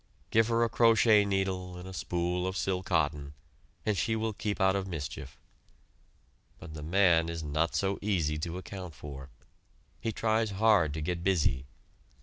Give her a crochet needle, and a spool of "sil cotton," and she will keep out of mischief. But the man is not so easy to account for. He tries hard to get busy.